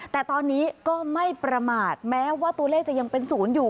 แต่ตอนนี้ก็ไม่ประมาทแม้ว่าตัวเลขจะยังเป็นศูนย์อยู่